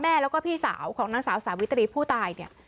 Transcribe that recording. แล้วก็พี่สาวของนางสาวสาวิตรีผู้ตายเนี่ย